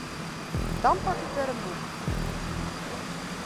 Dan pak ik wer in boek.